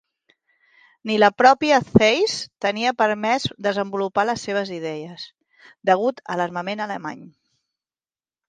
Ni la pròpia Zeiss tenia permès desenvolupar les seves idees, degut a l'armament alemany.